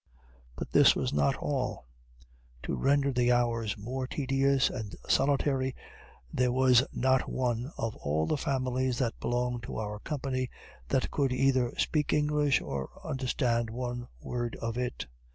But this was not all; to render the hours more tedious and solitary, there was not one, of all the families that belonged to our company, that could either speak English, or understand one word of it.